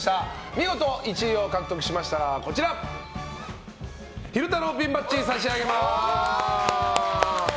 見事１位を獲得しましたら昼太郎ピンバッジ差し上げます。